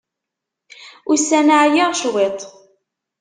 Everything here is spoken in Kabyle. Ussan-a ɛyiɣ cwiṭ.